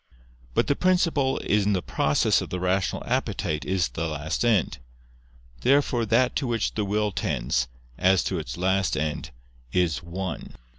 But the principle in the process of the rational appetite is the last end. Therefore that to which the will tends, as to its last end, is one.